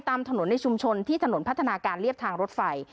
ตามถนนในชุมชนที่ถนนพัฒนาการเรียบทางรถไฟ